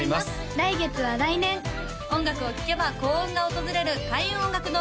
来月は来年音楽を聴けば幸運が訪れる開運音楽堂